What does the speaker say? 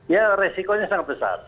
ya resikonya sangat besar